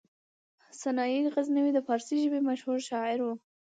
سنايي غزنوي د فارسي ژبې مشهور شاعر و.